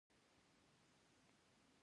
په لوړ کیفیت محصولات یې تولیدول